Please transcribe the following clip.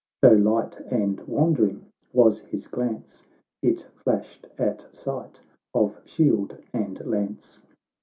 Though light and wandering was his glance, It flashed at sight of shield and lance.